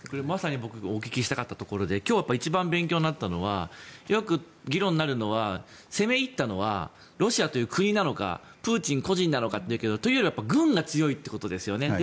まさに僕がお聞きしたかったところで今日一番勉強になったのはよく議論になるのは攻め入ったのはロシアという国なのかプーチン個人なのかというよりは軍が強いということですよね。